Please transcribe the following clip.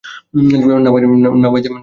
না ভাই দিদি– পুরবালা।